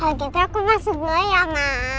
kalau gitu aku masuk dulu ya ma